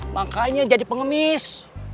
makanya jadi pengemis